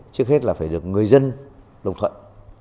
trước hết là phải được người dân đồng thuận